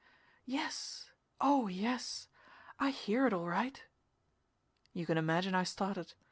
"Yes. Oh yes ! I hear it all right!" You can imagine I started.